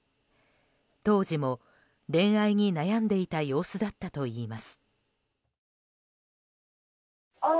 当時も、恋愛に悩んでいた様子だったといいます。